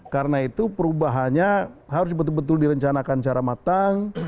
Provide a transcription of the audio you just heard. karena itu perubahannya harus betul betul direncanakan secara matang